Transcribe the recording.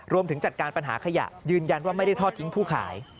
จัดการปัญหาขยะยืนยันว่าไม่ได้ทอดทิ้งผู้ขาย